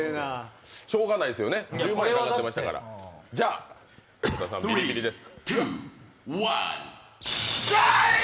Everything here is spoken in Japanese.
しょうがないですよね、１０万円かかっていましたから、太田さん、ビリビリです。